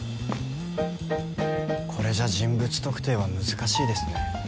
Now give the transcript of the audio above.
これじゃ人物特定は難しいですね。